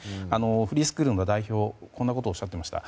フリースクールの代表がこんなことをおっしゃっていました。